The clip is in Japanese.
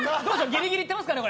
ギリギリいってますかね？